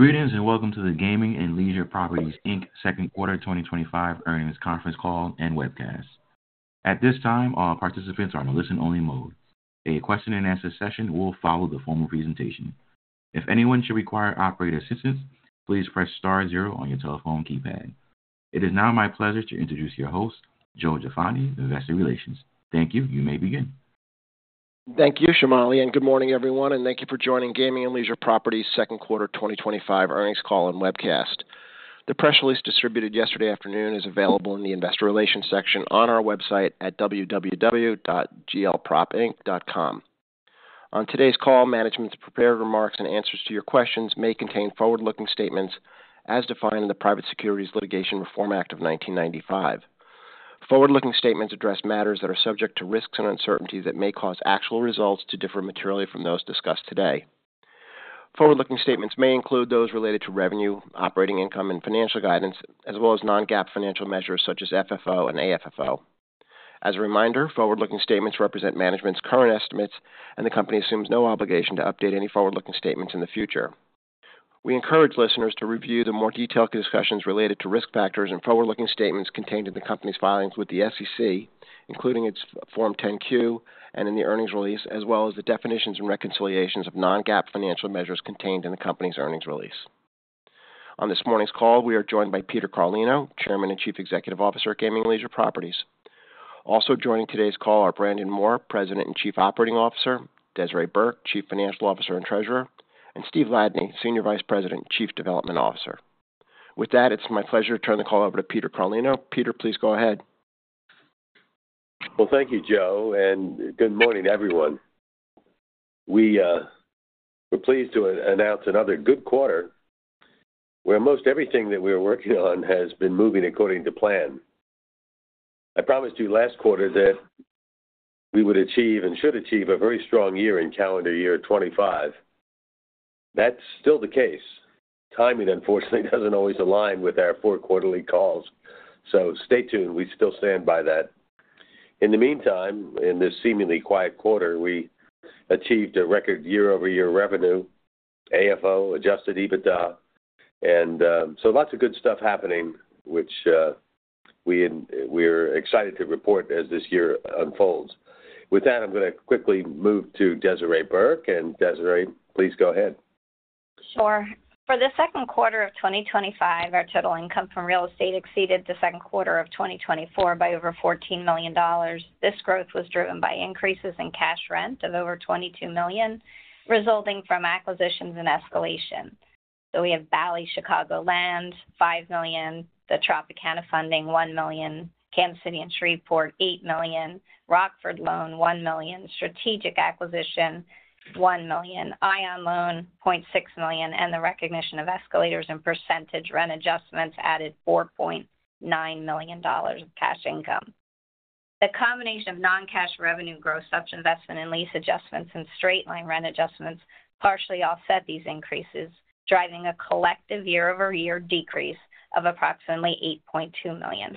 Greetings and welcome to the Gaming and Leisure Properties Second Quarter 2025 Earnings Conference Call and Webcast. At this time, all participants are in a listen-only mode. A question-and-answer session will follow the formal presentation. If anyone should require operator assistance, please press star zero on your telephone keypad. It is now my pleasure to introduce your host, Joe Jaffoni, Investor Relations. Thank you. You may begin. Thank you, Shamani. Good morning, everyone. Thank you for joining Gaming and Leisure Properties Second Quarter 2025 Earnings Call and Webcast. The press release distributed yesterday afternoon is available in the Investor Relations section on our website at www.glpropinc.com. On today's call, management's prepared remarks and answers to your questions may contain forward-looking statements as defined in the Private Securities Litigation Reform Act of 1995. Forward-looking statements address matters that are subject to risks and uncertainties that may cause actual results to differ materially from those discussed today. Forward-looking statements may include those related to revenue, operating income, and financial guidance, as well as non-GAAP financial measures such as FFO and AFFO. As a reminder, forward-looking statements represent management's current estimates, and the company assumes no obligation to update any forward-looking statements in the future. We encourage listeners to review the more detailed discussions related to risk factors and forward-looking statements contained in the company's filings with the SEC, including its Form 10-Q and in the earnings release, as well as the definitions and reconciliations of non-GAAP financial measures contained in the company's earnings release. On this morning's call, we are joined by Peter Carlino, Chairman and Chief Executive Officer of Gaming and Leisure Properties. Also joining today's call are Brandon Moore, President and Chief Operating Officer; Desiree Burke, Chief Financial Officer and Treasurer; and Steve Ladany, Senior Vice President and Chief Development Officer. With that, it is my pleasure to turn the call over to Peter Carlino. Peter, please go ahead. Thank you, Joe, and good morning, everyone. We are pleased to announce another good quarter where most everything that we are working on has been moving according to plan. I promised you last quarter that we would achieve and should achieve a very strong year in calendar year 2025. That is still the case. Timing, unfortunately, does not always align with our four-quarterly calls. Stay tuned. We still stand by that. In the meantime, in this seemingly quiet quarter, we achieved a record year-over-year revenue, AFFO, adjusted EBITDA. Lots of good stuff happening, which we are excited to report as this year unfolds. With that, I am going to quickly move to Desiree Burke. Desiree, please go ahead. Sure. For the second quarter of 2025, our total income from real estate exceeded the second quarter of 2024 by over $14 million. This growth was driven by increases in cash rent of over $22 million, resulting from acquisitions and escalation. We have Bally Chicago Land, $5 million, the Tropicana Funding, $1 million, Kansas City and Shreveport, $8 million, Rockford Loan, $1 million, Strategic Acquisition, $1 million, ION Loan, $0.6 million, and the recognition of escalators and percentage rent adjustments added $4.9 million of cash income. The combination of non-cash revenue growth, sub-investment, and lease adjustments and straight-line rent adjustments partially offset these increases, driving a collective year-over-year decrease of approximately $8.2 million.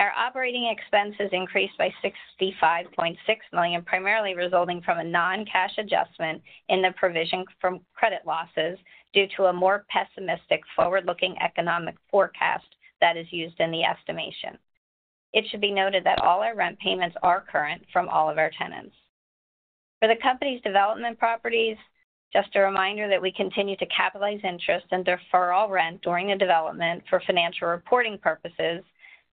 Our operating expenses increased by $65.6 million, primarily resulting from a non-cash adjustment in the provision for credit losses due to a more pessimistic forward-looking economic forecast that is used in the estimation. It should be noted that all our rent payments are current from all of our tenants. For the company's development properties, just a reminder that we continue to capitalize interest and defer all rent during the development for financial reporting purposes.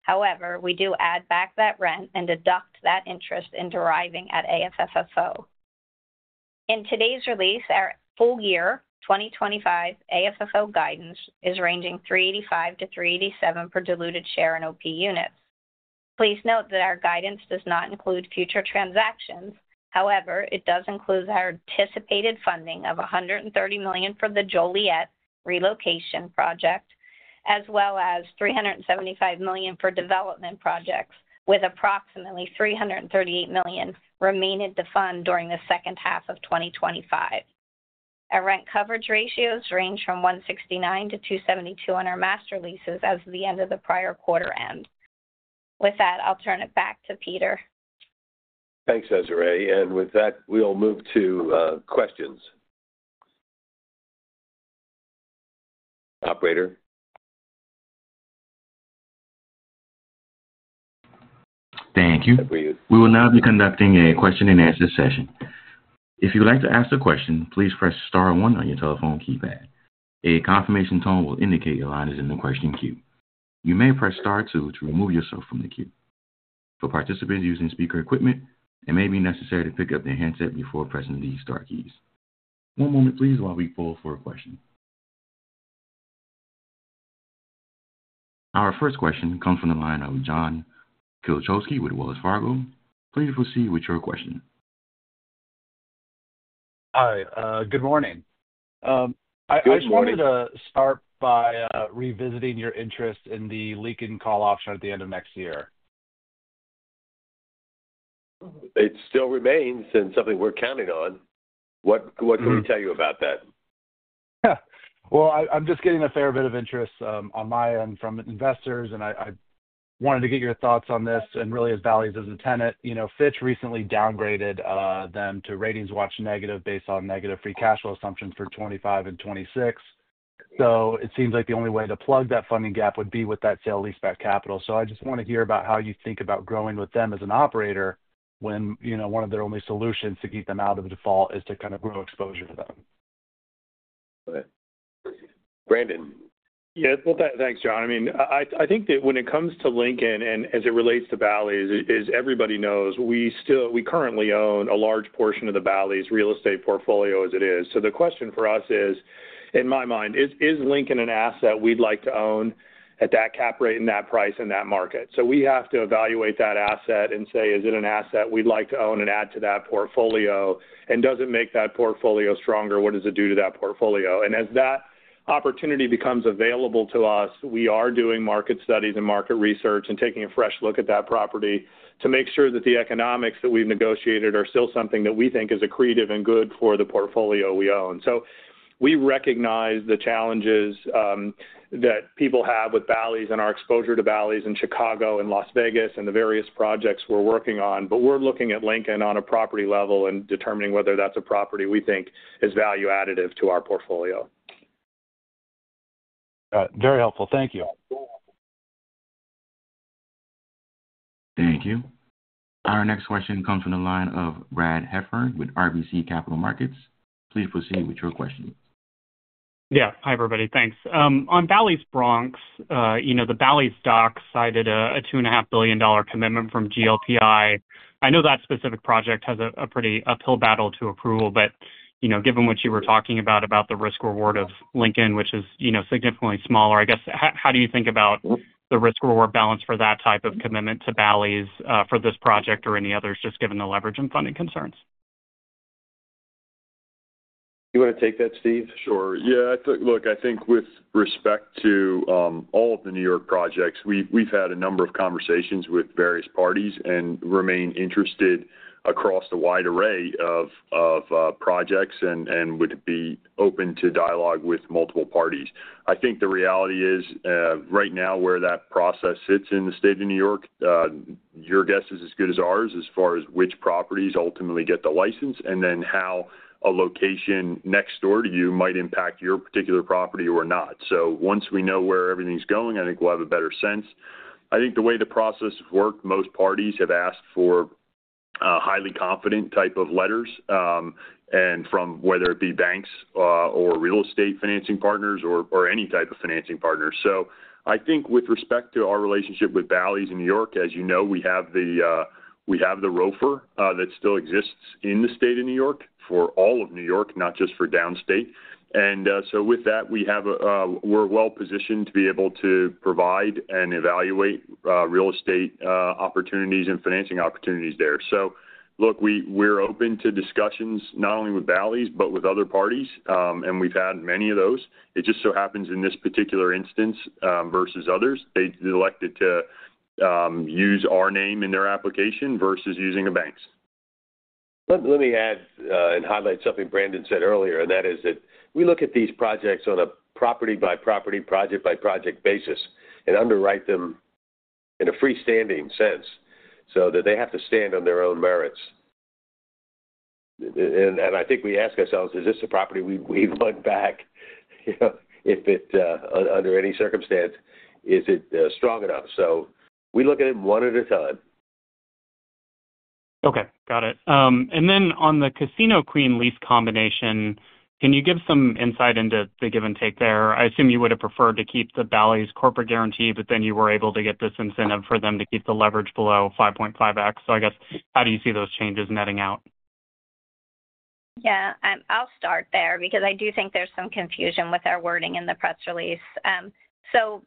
However, we do add back that rent and deduct that interest in deriving at AFFO. In today's release, our full-year 2025 AFFO guidance is ranging $3.85-$3.87 per diluted share in OP units. Please note that our guidance does not include future transactions. However, it does include the anticipated funding of $130 million for the Joliet relocation project, as well as $375 million for development projects, with approximately $338 million remaining to fund during the second half of 2025. Our rent coverage ratios range from 1.69x-2.72x on our Master Leases as of the end of the prior quarter end. With that, I'll turn it back to Peter. Thanks, Desiree. With that, we'll move to questions. Operator. Thank you. We will now be conducting a question-and-answer session. If you would like to ask a question, please press star one on your telephone keypad. A confirmation tone will indicate your line is in the question queue. You may press star two to remove yourself from the queue. For participants using speaker equipment, it may be necessary to pick up their headset before pressing the star keys. One moment, please, while we pull for a question. Our first question comes from the line of John Kielichowski with Wells Fargo. Please proceed with your question. Hi. Good morning. I just wanted to start by revisiting your interest in the lease-in call option at the end of next year. It still remains and something we're counting on. What can we tell you about that? I'm just getting a fair bit of interest on my end from investors, and I wanted to get your thoughts on this. Really, as Bally's is a tenant, Fitch recently downgraded them to ratings-watch negative based on negative free cash flow assumptions for 2025 and 2026. It seems like the only way to plug that funding gap would be with that sale-leaseback capital. I just want to hear about how you think about growing with them as an operator when one of their only solutions to keep them out of default is to kind of grow exposure to them. Brandon. Yeah. Thanks, John. I mean, I think that when it comes to Lincoln and as it relates to Bally's, as everybody knows, we currently own a large portion of the Bally's real estate portfolio as it is. The question for us is, in my mind, is Lincoln an asset we'd like to own at that cap rate and that price in that market? We have to evaluate that asset and say, is it an asset we'd like to own and add to that portfolio? Does it make that portfolio stronger? What does it do to that portfolio? As that opportunity becomes available to us, we are doing market studies and market research and taking a fresh look at that property to make sure that the economics that we've negotiated are still something that we think is accretive and good for the portfolio we own. We recognize the challenges that people have with Bally's and our exposure to Bally's in Chicago and Las Vegas and the various projects we're working on. We're looking at Lincoln on a property level and determining whether that's a property we think is value-additive to our portfolio. Very helpful. Thank you. Thank you. Our next question comes from the line of Brad Heffern with RBC Capital Markets. Please proceed with your question. Yeah. Hi, everybody. Thanks. On Bally's Bronx, the Bally's doc cited a $2.5 billion commitment from GLPI. I know that specific project has a pretty uphill battle to approval, but given what you were talking about, about the risk-reward of Lincoln, which is significantly smaller, I guess, how do you think about the risk-reward balance for that type of commitment to Bally's for this project or any others, just given the leverage and funding concerns? Do you want to take that, Steve? Sure. Yeah. Look, I think with respect to all of the New York projects, we've had a number of conversations with various parties and remain interested across a wide array of projects and would be open to dialogue with multiple parties. I think the reality is right now where that process sits in the state of New York. Your guess is as good as ours as far as which properties ultimately get the license and then how a location next door to you might impact your particular property or not. Once we know where everything's going, I think we'll have a better sense. I think the way the process has worked, most parties have asked for highly confident type of letters, and from whether it be banks or real estate financing partners or any type of financing partners. I think with respect to our relationship with Bally's in New York, as you know, we have the ROFR that still exists in the state of New York for all of New York, not just for downstate. With that, we're well positioned to be able to provide and evaluate real estate opportunities and financing opportunities there. Look, we're open to discussions not only with Bally's, but with other parties, and we've had many of those. It just so happens in this particular instance versus others, they elected to use our name in their application versus using a bank's. Let me add and highlight something Brandon said earlier, and that is that we look at these projects on a property-by-property, project-by-project basis and underwrite them. In a free-standing sense so that they have to stand on their own merits. I think we ask ourselves, is this a property we'd want back. Under any circumstance? Is it strong enough? We look at it one at a time. Okay. Got it. On the Casino Queen lease combination, can you give some insight into the give-and-take there? I assume you would have preferred to keep the Bally's corporate guarantee, but you were able to get this incentive for them to keep the leverage below 5.5x. How do you see those changes netting out? Yeah. I'll start there because I do think there's some confusion with our wording in the press release.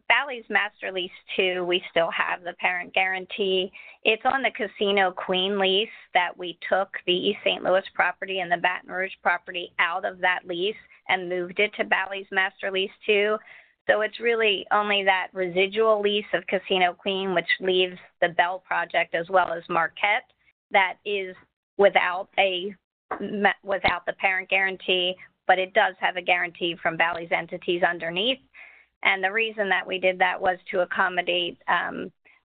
Bally's Master Lease 2, we still have the parent guarantee. It's on the Casino Queen lease that we took the East St. Louis property and the Baton Rouge property out of that lease and moved it to Bally's Master Lease 2. It's really only that residual lease of Casino Queen, which leaves the Belle Project as well as Marquette that is without the parent guarantee, but it does have a guarantee from Bally's entities underneath. The reason that we did that was to accommodate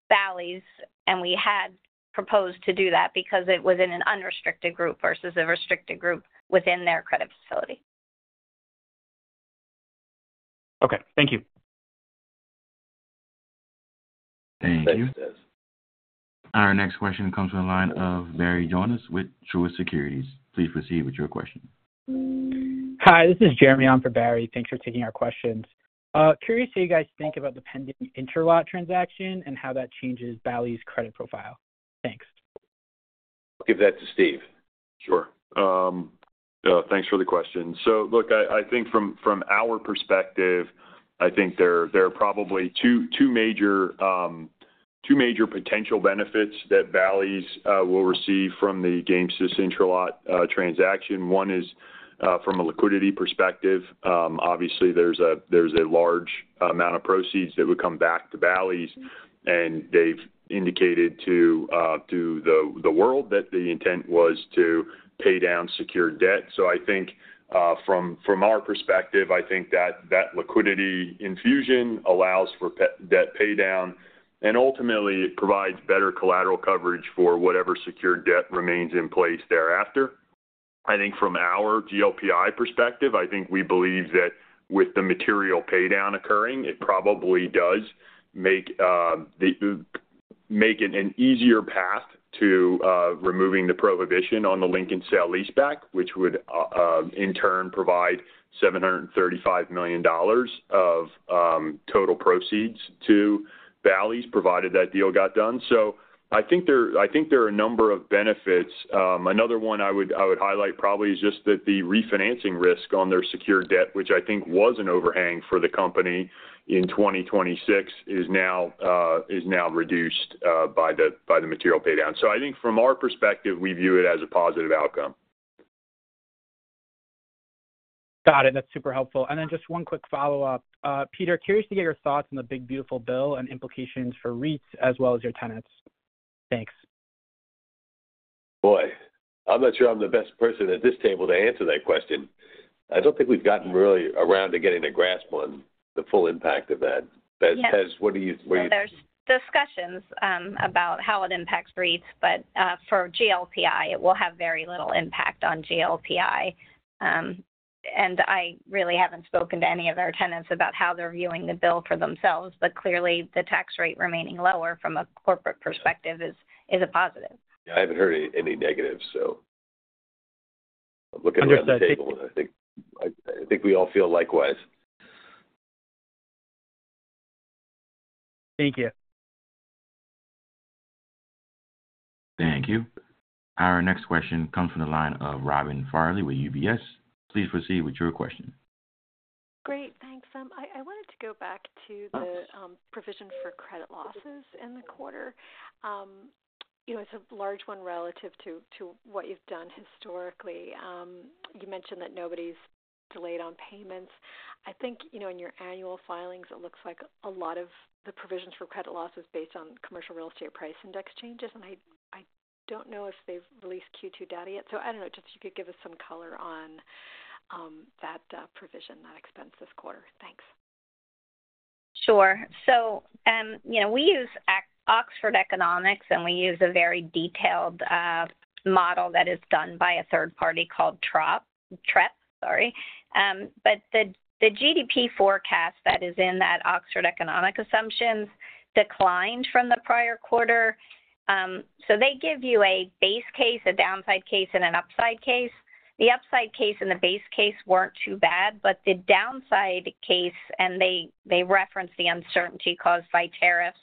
Bally's, and we had proposed to do that because it was in an unrestricted group versus a restricted group within their credit facility. Okay. Thank you. Thank you. Our next question comes from the line of Barry Jonas with Truist Securities. Please proceed with your question. Hi. This is Jeremy on for Barry. Thanks for taking our questions. Curious how you guys think about the pending interlock transaction and how that changes Bally's credit profile. Thanks. I'll give that to Steve. Sure. Thanks for the question. Look, I think from our perspective, there are probably two major potential benefits that Bally's will receive from the Gamesys interlock transaction. One is from a liquidity perspective. Obviously, there's a large amount of proceeds that would come back to Bally's, and they've indicated to the world that the intent was to pay down secured debt. I think from our perspective, that liquidity infusion allows for debt paydown, and ultimately, it provides better collateral coverage for whatever secured debt remains in place thereafter. From our GLPI perspective, we believe that with the material paydown occurring, it probably does make an easier path to removing the prohibition on the Lincoln sale-leaseback, which would in turn provide $735 million of total proceeds to Bally's provided that deal got done. There are a number of benefits. Another one I would highlight probably is just that the refinancing risk on their secured debt, which I think was an overhang for the company in 2026, is now reduced by the material paydown. From our perspective, we view it as a positive outcome. Got it. That's super helpful. And then just one quick follow-up. Peter, curious to get your thoughts on the big, beautiful bill and implications for REITs as well as your tenants. Thanks. Boy, I'm not sure I'm the best person at this table to answer that question. I don't think we've gotten really around to getting a grasp on the full impact of that. What are you? There's discussions about how it impacts REITs, but for GLPI, it will have very little impact on GLPI. I really haven't spoken to any of our tenants about how they're viewing the bill for themselves, but clearly, the tax rate remaining lower from a corporate perspective is a positive. Yeah. I haven't heard any negatives, so. I'm looking around the table, and I think we all feel likewise. Thank you. Thank you. Our next question comes from the line of Robin Farley with UBS. Please proceed with your question. Great. Thanks. I wanted to go back to the provision for credit losses in the quarter. It's a large one relative to what you've done historically. You mentioned that nobody's delayed on payments. I think in your annual filings, it looks like a lot of the provisions for credit loss was based on commercial real estate price index changes. I don't know if they've released Q2 data yet. I don't know. Just if you could give us some color on that provision, that expense this quarter. Thanks. Sure. We use Oxford Economics, and we use a very detailed model that is done by a third party called Trepp, sorry. The GDP forecast that is in that Oxford Economic Assumptions declined from the prior quarter. They give you a base case, a downside case, and an upside case. The upside case and the base case were not too bad, but the downside case—they reference the uncertainty caused by tariffs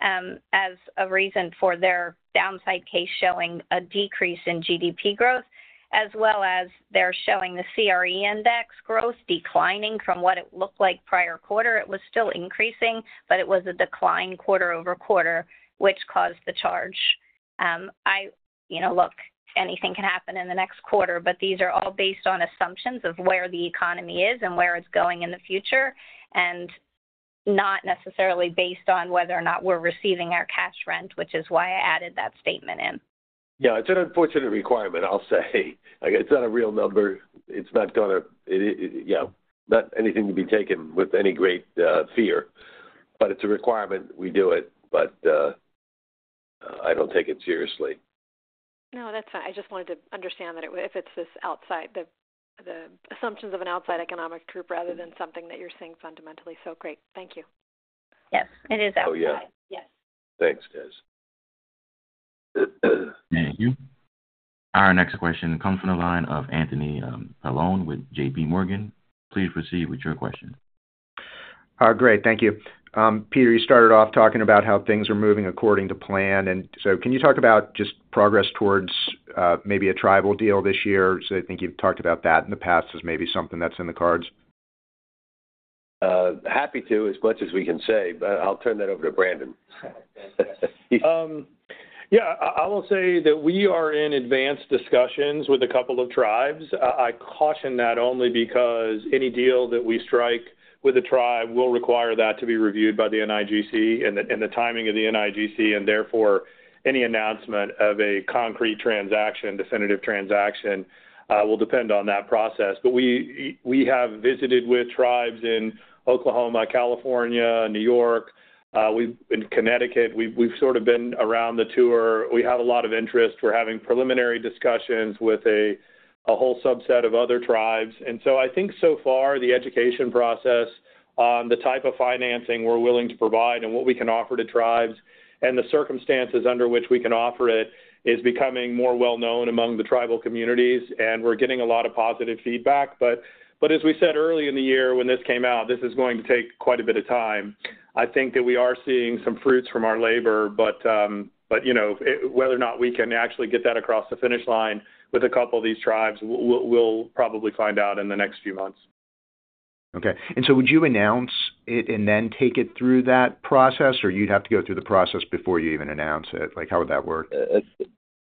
as a reason for their downside case showing a decrease in GDP growth, as well as showing the CRE index growth declining from what it looked like prior quarter. It was still increasing, but it was a decline quarter-over-quarter, which caused the charge. Look, anything can happen in the next quarter, but these are all based on assumptions of where the economy is and where it is going in the future, and not necessarily based on whether or not we are receiving our cash rent, which is why I added that statement in. Yeah. It's an unfortunate requirement, I'll say. It's not a real number. It's not going to—yeah. Not anything to be taken with any great fear. It is a requirement. We do it, but I don't take it seriously. No, that's fine. I just wanted to understand that if it's this outside—the assumptions of an outside economic group rather than something that you're seeing fundamentally. Great. Thank you. Yes. It is outside. Oh, yeah. Yes. Thanks, guys. Thank you. Our next question comes from the line of Anthony Paolone with JPMorgan. Please proceed with your question. All right. Great. Thank you. Peter, you started off talking about how things are moving according to plan. Can you talk about just progress towards maybe a tribal deal this year? I think you've talked about that in the past as maybe something that's in the cards. Happy to, as much as we can say, but I'll turn that over to Brandon. Yeah. I will say that we are in advanced discussions with a couple of tribes. I caution that only because any deal that we strike with a tribe will require that to be reviewed by the NIGC and the timing of the NIGC. Therefore, any announcement of a concrete transaction, definitive transaction, will depend on that process. We have visited with tribes in Oklahoma, California, New York. In Connecticut, we've sort of been around the tour. We have a lot of interest. We're having preliminary discussions with a whole subset of other tribes. I think so far, the education process on the type of financing we're willing to provide and what we can offer to tribes and the circumstances under which we can offer it is becoming more well-known among the tribal communities. We're getting a lot of positive feedback. As we said early in the year when this came out, this is going to take quite a bit of time. I think that we are seeing some fruits from our labor. Whether or not we can actually get that across the finish line with a couple of these tribes, we'll probably find out in the next few months. Okay. And so would you announce it and then take it through that process, or you'd have to go through the process before you even announce it? How would that work? It's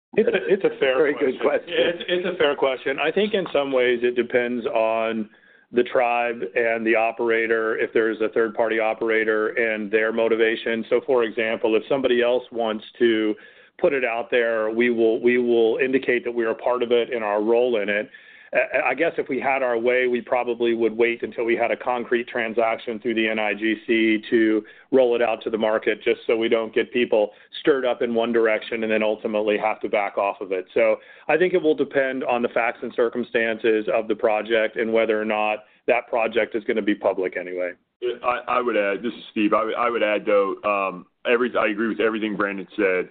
a fair question. Very good question. It's a fair question. I think in some ways, it depends on the tribe and the operator, if there is a third-party operator and their motivation. For example, if somebody else wants to put it out there, we will indicate that we are a part of it and our role in it. I guess if we had our way, we probably would wait until we had a concrete transaction through the NIGC to roll it out to the market just so we do not get people stirred up in one direction and then ultimately have to back off of it. I think it will depend on the facts and circumstances of the project and whether or not that project is going to be public anyway. I would add, this is Steve, I would add, though, I agree with everything Brandon said.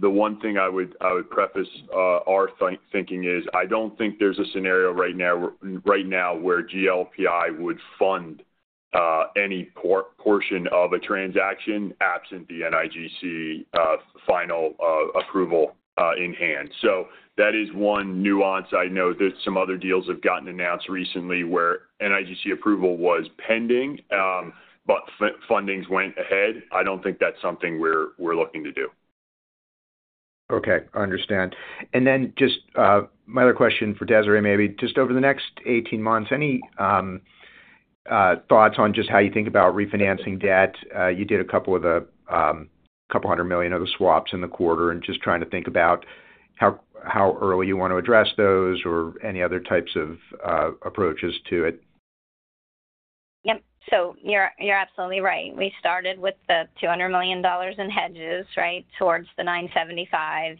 The one thing I would preface our thinking is I don't think there's a scenario right now where GLPI would fund any portion of a transaction absent the NIGC final approval in hand. That is one nuance. I know that some other deals have gotten announced recently where NIGC approval was pending, but fundings went ahead. I don't think that's something we're looking to do. Okay. I understand. Just my other question for Desiree maybe. Just over the next 18 months, any thoughts on just how you think about refinancing debt? You did a couple hundred million of the swaps in the quarter and just trying to think about how early you want to address those or any other types of approaches to it. Yep. You're absolutely right. We started with the $200 million in hedges, right, towards the 975.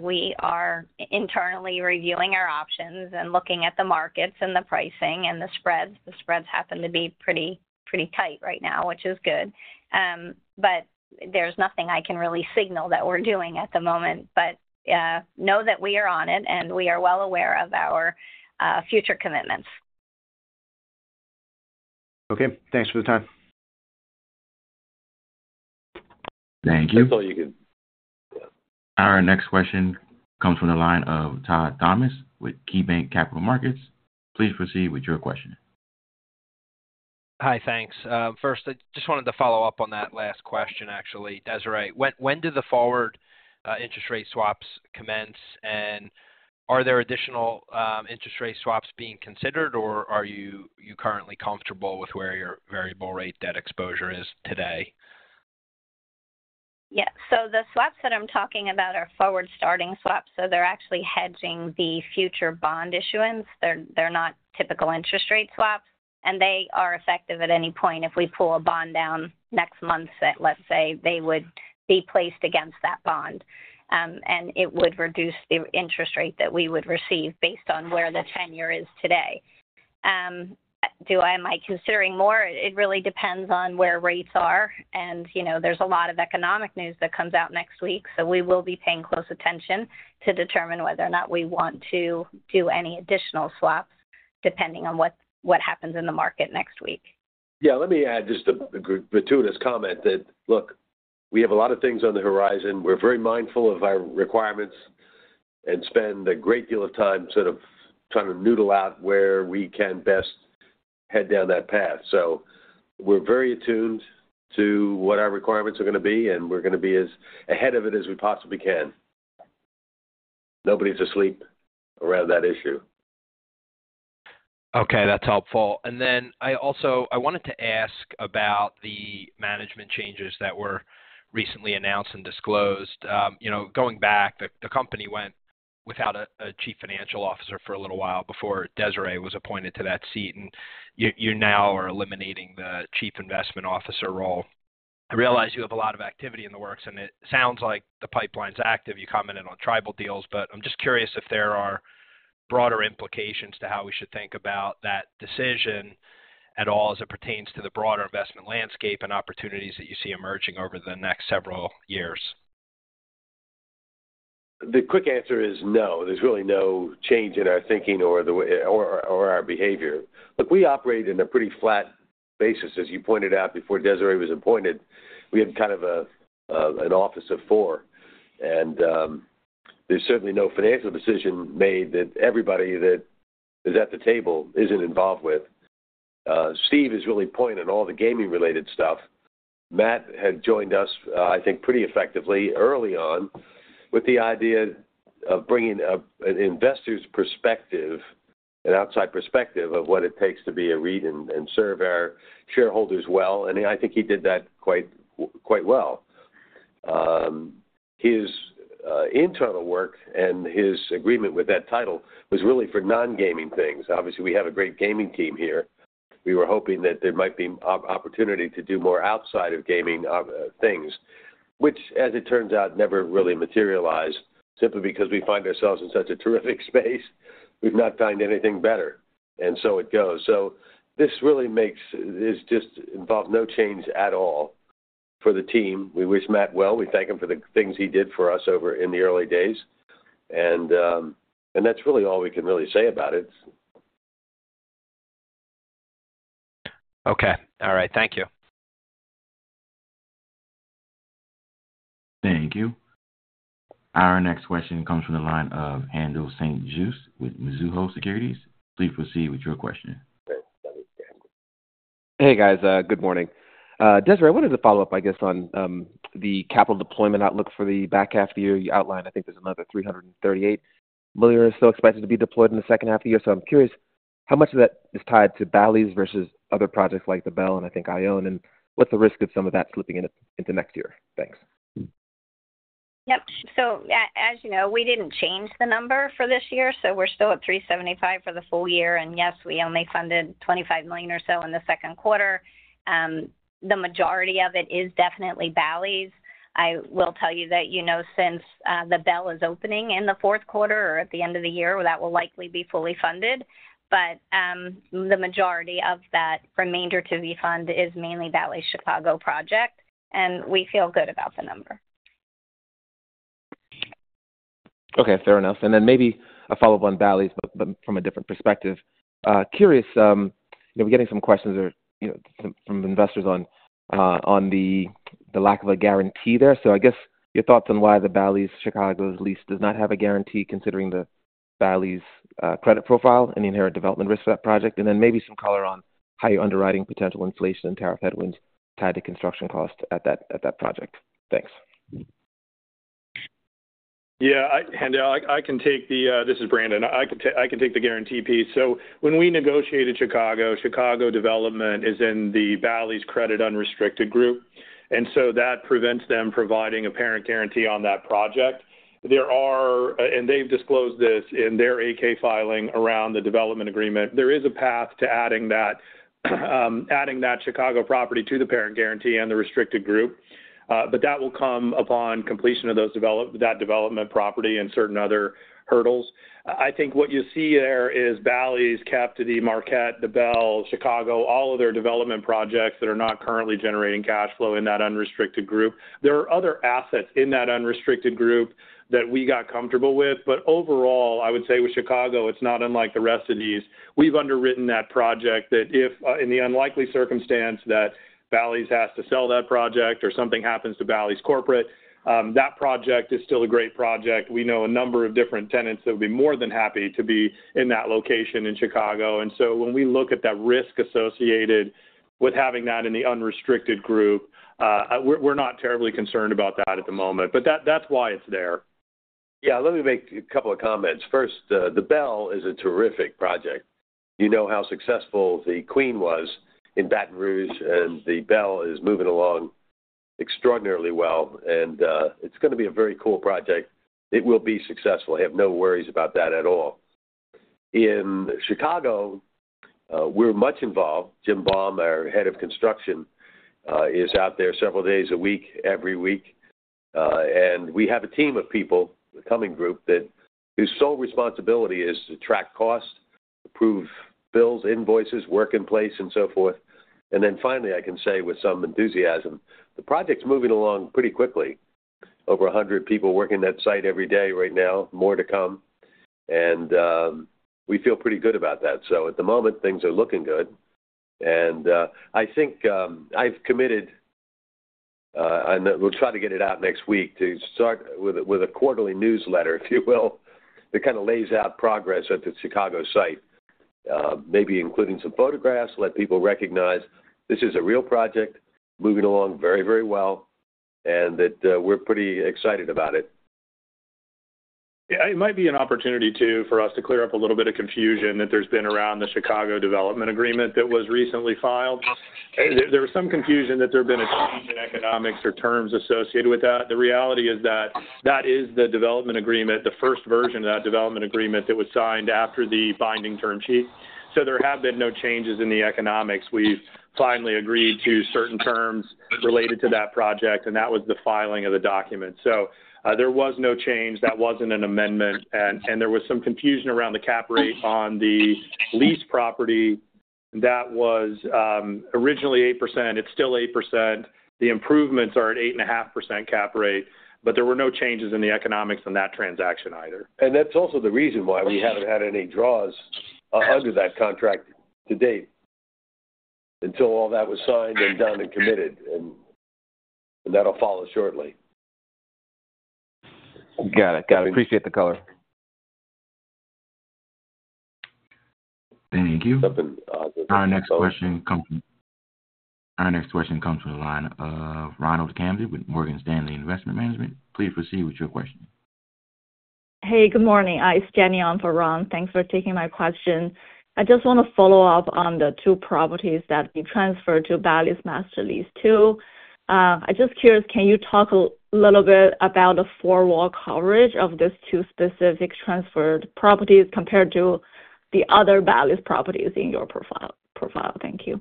We are internally reviewing our options and looking at the markets and the pricing and the spreads. The spreads happen to be pretty tight right now, which is good. There is nothing I can really signal that we're doing at the moment. Know that we are on it, and we are well aware of our future commitments. Okay. Thanks for the time. Thank you. I thought you could. Our next question comes from the line of Todd Thomas with KeyBanc Capital Markets. Please proceed with your question. Hi. Thanks. First, I just wanted to follow up on that last question, actually. Desiree, when do the forward interest rate swaps commence? Are there additional interest rate swaps being considered, or are you currently comfortable with where your variable-rate debt exposure is today? Yeah. The swaps that I'm talking about are forward-starting swaps. They're actually hedging the future bond issuance. They're not typical interest rate swaps, and they are effective at any point if we pull a bond down next month that, let's say, they would be placed against that bond. It would reduce the interest rate that we would receive based on where the tenure is today. Am I considering more? It really depends on where rates are. There is a lot of economic news that comes out next week, so we will be paying close attention to determine whether or not we want to do any additional swaps depending on what happens in the market next week. Yeah. Let me add just a gratuitous comment that, look, we have a lot of things on the horizon. We're very mindful of our requirements. And spend a great deal of time sort of trying to noodle out where we can best head down that path. So we're very attuned to what our requirements are going to be, and we're going to be as ahead of it as we possibly can. Nobody's asleep around that issue. Okay. That's helpful. I also wanted to ask about the management changes that were recently announced and disclosed. Going back, the company went without a Chief Financial Officer for a little while before Desiree was appointed to that seat, and you now are eliminating the Chief Investment Officer role. I realize you have a lot of activity in the works, and it sounds like the pipeline's active. You commented on tribal deals, but I'm just curious if there are broader implications to how we should think about that decision at all as it pertains to the broader investment landscape and opportunities that you see emerging over the next several years? The quick answer is no. There's really no change in our thinking or our behavior. Look, we operate in a pretty flat basis. As you pointed out before Desiree was appointed, we had kind of an office of four. There's certainly no financial decision made that everybody that is at the table isn't involved with. Steve is really pointing all the gaming-related stuff. Matt had joined us, I think, pretty effectively early on with the idea of bringing an investor's perspective, an outside perspective of what it takes to be a REIT and serve our shareholders well. I think he did that quite well. His internal work and his agreement with that title was really for non-gaming things. Obviously, we have a great gaming team here. We were hoping that there might be opportunity to do more outside of gaming things, which, as it turns out, never really materialized simply because we find ourselves in such a terrific space. We've not found anything better. It goes. This really makes this just involves no change at all for the team. We wish Matt well. We thank him for the things he did for us over in the early days. That's really all we can really say about it. Okay. All right. Thank you. Thank you. Our next question comes from the line of Haendel St. Juste with Mizuho Securities. Please proceed with your question. Hey, guys. Good morning. Desiree, I wanted to follow up, I guess, on the capital deployment outlook for the back half of the year. You outlined I think there's another $338 million or so expected to be deployed in the second half of the year. I'm curious how much of that is tied to Bally's versus other projects like the Belle and I think ION. What's the risk of some of that slipping into next year? Thanks. Yep. As you know, we did not change the number for this year. We are still at $375 million for the full year. Yes, we only funded $25 million or so in the second quarter. The majority of it is definitely Bally's. I will tell you that since The Belle is opening in the fourth quarter or at the end of the year, that will likely be fully funded. The majority of that remainder to be funded is mainly Bally's Chicago project. We feel good about the number. Okay. Fair enough. Maybe a follow-up on Bally's, but from a different perspective. Curious, we're getting some questions from investors on the lack of a guarantee there. I guess your thoughts on why the Bally's Chicago's lease does not have a guarantee considering the Bally's credit profile and inherent development risk for that project. Maybe some color on higher underwriting potential inflation and tariff headwinds tied to construction costs at that project. Thanks. Yeah. I can take the—this is Brandon. I can take the guarantee piece. When we negotiated Chicago, Chicago development is in the Bally's credit unrestricted group. That prevents them from providing a parent guarantee on that project. They have disclosed this in their 8-K filing around the development agreement. There is a path to adding that Chicago property to the parent guarantee and the restricted group. That will come upon completion of that development property and certain other hurdles. I think what you see there is Bally's Capital, Marquette, the Belle, Chicago, all of their development projects that are not currently generating cash flow in that unrestricted group. There are other assets in that unrestricted group that we got comfortable with. Overall, I would say with Chicago, it is not unlike the rest of these. We have underwritten that project that if, in the unlikely circumstance that Bally's has to sell that project or something happens to Bally's corporate, that project is still a great project. We know a number of different tenants that would be more than happy to be in that location in Chicago. When we look at that risk associated with having that in the unrestricted group, we are not terribly concerned about that at the moment. That is why it is there. Yeah. Let me make a couple of comments. First, the Belle is a terrific project. You know how successful the Queen was in Baton Rouge, and the Belle is moving along extraordinarily well. It is going to be a very cool project. It will be successful. I have no worries about that at all. In Chicago, we're much involved. Jim Bonn, our head of construction, is out there several days a week, every week. We have a team of people, a coming group whose sole responsibility is to track cost, approve bills, invoices, work in place, and so forth. I can say with some enthusiasm, the project's moving along pretty quickly. Over 100 people working that site every day right now, more to come. We feel pretty good about that. At the moment, things are looking good. I think I've committed, and we'll try to get it out next week to start with a quarterly newsletter, if you will, that kind of lays out progress at the Chicago site, maybe including some photographs, let people recognize this is a real project, moving along very, very well, and that we're pretty excited about it. Yeah. It might be an opportunity too for us to clear up a little bit of confusion that there's been around the Chicago development agreement that was recently filed. There was some confusion that there have been changes in economics or terms associated with that. The reality is that that is the development agreement, the first version of that development agreement that was signed after the binding term sheet. There have been no changes in the economics. We've finally agreed to certain terms related to that project, and that was the filing of the document. There was no change. That wasn't an amendment. There was some confusion around the cap rate on the lease property. That was originally 8%. It's still 8%. The improvements are at 8.5% cap rate. There were no changes in the economics on that transaction either. That is also the reason why we have not had any draws under that contract to date. Until all that was signed and done and committed. That will follow shortly. Got it. Got it. Appreciate the color. Thank you. Something awesome. Our next question comes from the line of Ronald Cantley with Morgan Stanley Investment Management. Please proceed with your question. Hey, good morning. It's Jenny on for Ron. Thanks for taking my question. I just want to follow up on the two properties that we transferred to Bally's Master Lease too. I'm just curious, can you talk a little bit about the Four-Wall Coverage of these two specific transferred properties compared to the other Bally's properties in your profile? Thank you.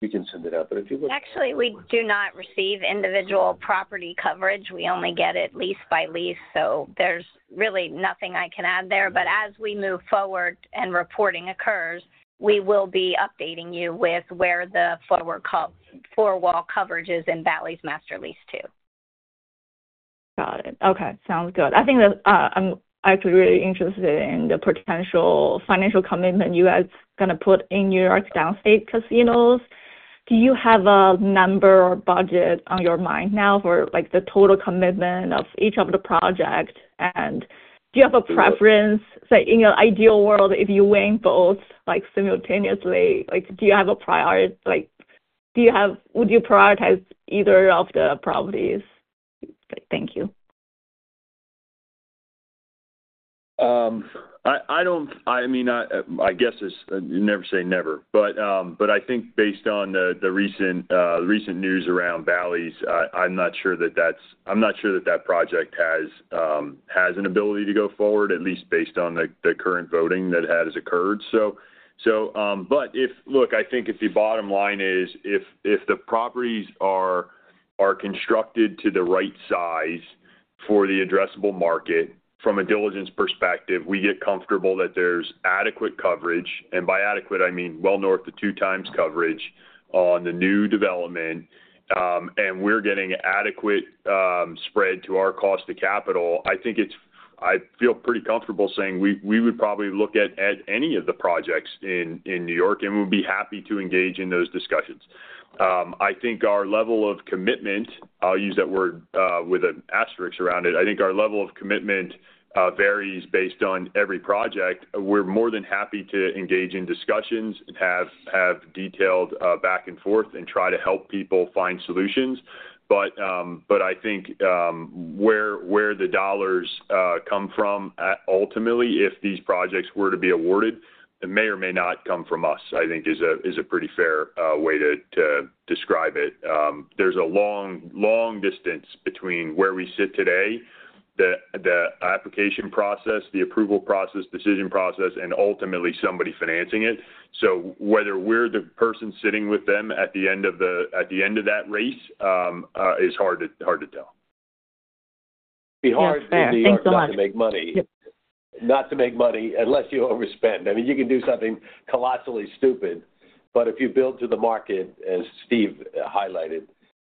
You can send it out. If you would. Actually, we do not receive individual property coverage. We only get it lease by lease. There is really nothing I can add there. As we move forward and reporting occurs, we will be updating you with where the Four-Wall Coverage is in Bally's Master Lease too. Got it. Okay. Sounds good. I think I'm actually really interested in the potential financial commitment you guys are going to put in New York downstate casinos. Do you have a number or budget on your mind now for the total commitment of each of the projects? Do you have a preference? In an ideal world, if you win both simultaneously, do you have a priority? Would you prioritize either of the properties? Thank you. I mean, I guess you never say never. I think based on the recent news around Bally's, I'm not sure that that's—I’m not sure that that project has an ability to go forward, at least based on the current voting that has occurred. I think if the bottom line is if the properties are constructed to the right size for the addressable market, from a diligence perspective, we get comfortable that there's adequate coverage. By adequate, I mean well north of two times coverage on the new development. We're getting adequate spread to our cost of capital. I think I feel pretty comfortable saying we would probably look at any of the projects in New York, and we'd be happy to engage in those discussions. I think our level of commitment—I’ll use that word with an asterisk around it—I think our level of commitment varies based on every project. We're more than happy to engage in discussions and have detailed back and forth and try to help people find solutions. I think where the dollars come from ultimately, if these projects were to be awarded, it may or may not come from us, I think, is a pretty fair way to describe it. There's a long distance between where we sit today, the application process, the approval process, decision process, and ultimately somebody financing it. Whether we're the person sitting with them at the end of that race is hard to tell. It'd be hard. To make money. Not to make money unless you overspend. I mean, you can do something colossally stupid. If you build to the market, as Steve highlighted,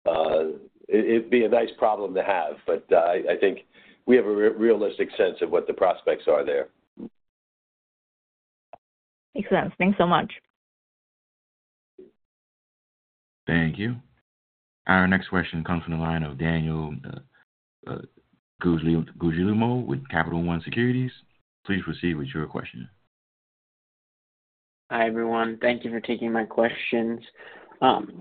it would be a nice problem to have. I think we have a realistic sense of what the prospects are there. Makes sense. Thanks so much. Thank you. Our next question comes from the line of Daniel Guglielmo with Capital One Securities. Please proceed with your question. Hi, everyone. Thank you for taking my questions.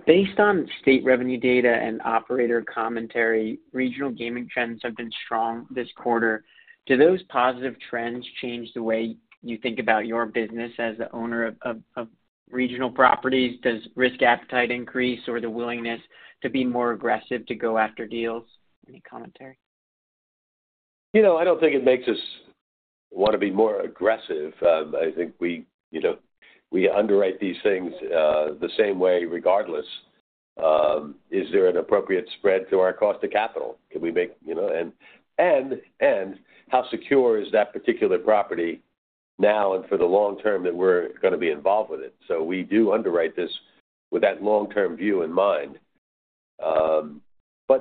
Based on state revenue data and operator commentary, regional gaming trends have been strong this quarter. Do those positive trends change the way you think about your business as the owner of regional properties? Does risk appetite increase or the willingness to be more aggressive to go after deals? Any commentary? I don't think it makes us want to be more aggressive. I think we underwrite these things the same way regardless. Is there an appropriate spread to our cost of capital? Can we make—and how secure is that particular property now and for the long term that we're going to be involved with it? We do underwrite this with that long-term view in mind.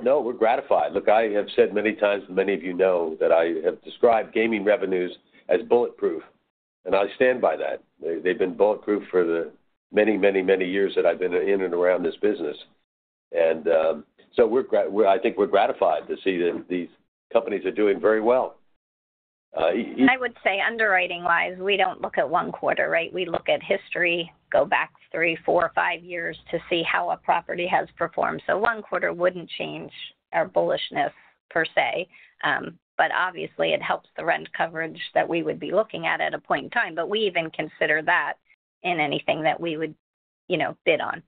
No, we're gratified. Look, I have said many times, and many of you know that I have described gaming revenues as bulletproof. I stand by that. They've been bulletproof for the many, many, many years that I've been in and around this business. I think we're gratified to see that these companies are doing very well. I would say underwriting-wise, we do not look at one quarter, right? We look at history, go back three, four, five years to see how a property has performed. One quarter would not change our bullishness per se. Obviously, it helps the rent coverage that we would be looking at at a point in time. We even consider that in anything that we would bid on.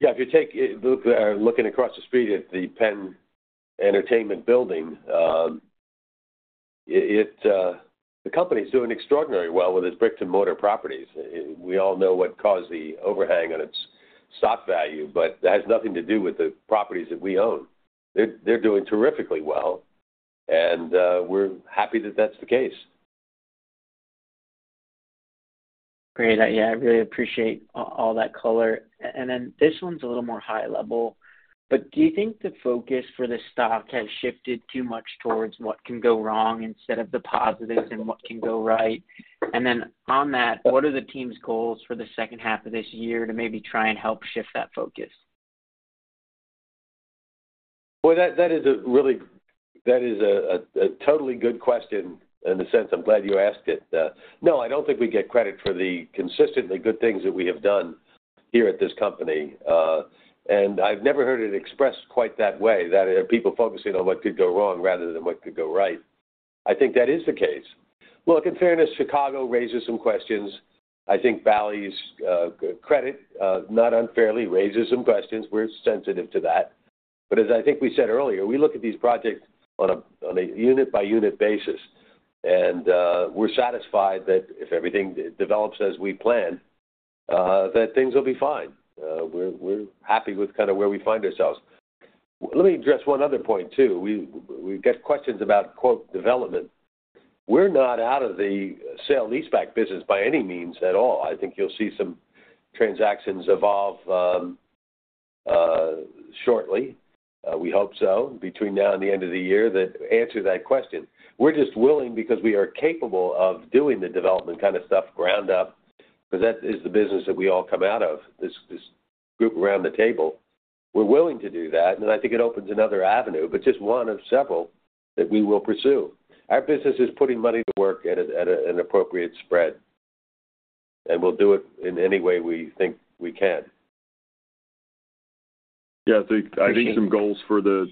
Yeah. If you take looking across the street at the Penn Entertainment building. The company is doing extraordinarily well with its brick-and-mortar Properties. We all know what caused the overhang on its stock value, but that has nothing to do with the properties that we own. They're doing terrifically well. We're happy that that's the case. Great. Yeah. I really appreciate all that color. This one's a little more high level. Do you think the focus for the stock has shifted too much towards what can go wrong instead of the positives and what can go right? On that, what are the team's goals for the second half of this year to maybe try and help shift that focus? That is a really— That is a totally good question in the sense I'm glad you asked it. No, I don't think we get credit for the consistently good things that we have done here at this company. I've never heard it expressed quite that way, that people focusing on what could go wrong rather than what could go right. I think that is the case. Look, in fairness, Chicago raises some questions. I think Bally's credit, not unfairly, raises some questions. We're sensitive to that. As I think we said earlier, we look at these projects on a unit-by-unit basis. We're satisfied that if everything develops as we plan, things will be fine. We're happy with kind of where we find ourselves. Let me address one other point too. We get questions about, quote, development. We're not out of the sale-leaseback business by any means at all. I think you'll see some transactions evolve shortly. We hope so between now and the end of the year that answer that question. We're just willing because we are capable of doing the development kind of stuff ground up because that is the business that we all come out of, this group around the table. We're willing to do that. I think it opens another avenue, but just one of several that we will pursue. Our business is putting money to work at an appropriate spread. We'll do it in any way we think we can. Yeah. I think some goals for the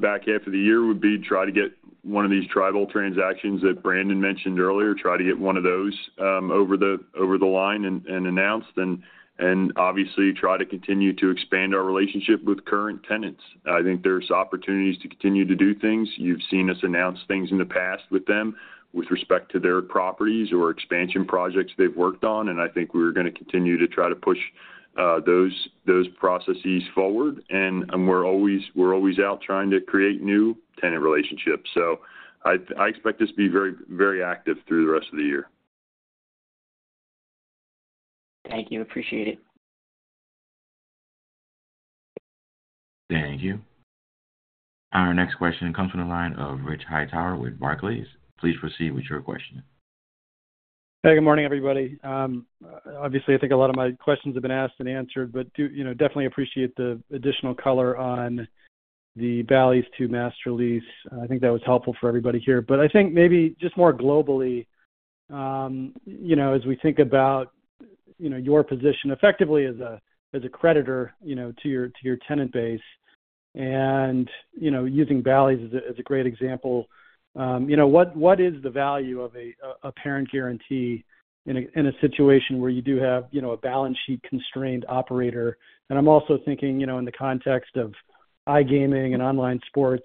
back half of the year would be to try to get one of these tribal transactions that Brandon mentioned earlier, try to get one of those over the line and announced, and obviously try to continue to expand our relationship with current tenants. I think there's opportunities to continue to do things. You've seen us announce things in the past with them with respect to their properties or expansion projects they've worked on. I think we're going to continue to try to push those processes forward. We're always out trying to create new tenant relationships. I expect us to be very active through the rest of the year. Thank you. Appreciate it. Thank you. Our next question comes from the line of Rich Hightower with Barclays. Please proceed with your question. Hey, good morning, everybody. Obviously, I think a lot of my questions have been asked and answered, but definitely appreciate the additional color on the Bally's to Master Lease. I think that was helpful for everybody here. I think maybe just more globally, as we think about your position effectively as a creditor to your tenant base, and using Bally's as a great example, what is the value of a parent guarantee in a situation where you do have a balance sheet constrained operator? I'm also thinking in the context of iGaming and online sports,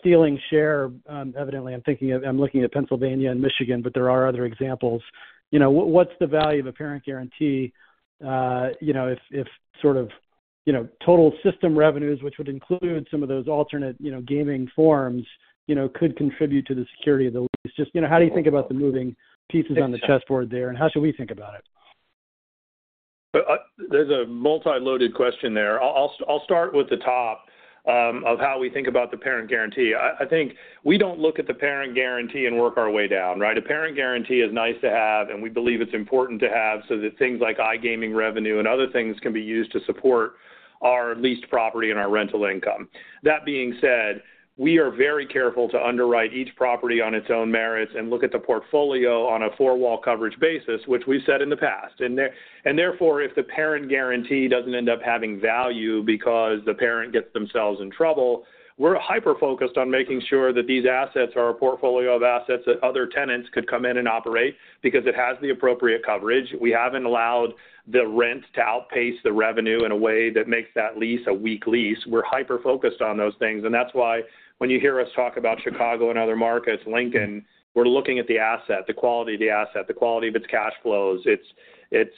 Steel and Share, evidently, I'm looking at Pennsylvania and Michigan, but there are other examples. What's the value of a parent guarantee if sort of total system revenues, which would include some of those alternate gaming forms, could contribute to the security of the lease? Just how do you think about the moving pieces on the chessboard there, and how should we think about it? There's a multi-loaded question there. I'll start with the top of how we think about the parent guarantee. I think we don't look at the parent guarantee and work our way down, right? A parent guarantee is nice to have, and we believe it's important to have so that things like iGaming revenue and other things can be used to support our leased property and our rental income. That being said, we are very careful to underwrite each property on its own merits and look at the portfolio on a Four-Wall Coverage basis, which we've said in the past. Therefore, if the parent guarantee doesn't end up having value because the parent gets themselves in trouble, we're hyper-focused on making sure that these assets are a portfolio of assets that other tenants could come in and operate because it has the appropriate coverage. We haven't allowed the rent to outpace the revenue in a way that makes that lease a weak lease. We're hyper-focused on those things. That's why when you hear us talk about Chicago and other markets, Lincoln, we're looking at the asset, the quality of the asset, the quality of its cash flows, its